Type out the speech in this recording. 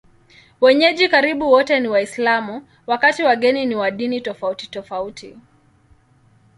Wenyeji karibu wote ni Waislamu, wakati wageni ni wa dini tofautitofauti.